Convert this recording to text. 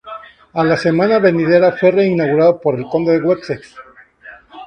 A la semana venidera fue reinaugurada por el Conde de Wessex.